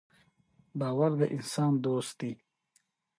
باور د انسان دوست دی.